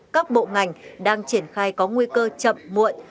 các bộ ngành đang triển khai có nguy cơ chậm muộn